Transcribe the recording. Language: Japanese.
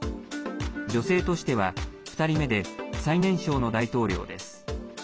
女性としては２人目で最年少の大統領です。